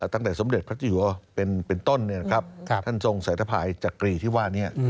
สมเด็จพระเจ้าเป็นต้นท่านทรงสายทภายจักรีที่ว่านี้